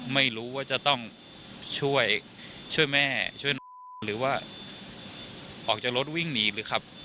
ไม่รู้ว่าจะต้องช่วยช่วยแม่ช่วยน้องหรือว่าออกจากรถวิ่งหนีหรือขับ